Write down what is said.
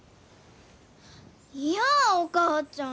いやお母ちゃん！